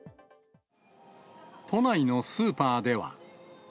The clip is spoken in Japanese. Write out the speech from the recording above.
都内のスーパーでは。